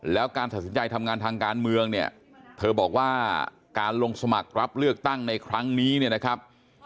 แล้วการตัดสินใจทำงานทางการเมืองเนี่ยเธอบอกว่าการลงสมัครรับเลือกตั้งในครั้งนี้เนี่ยนะครับ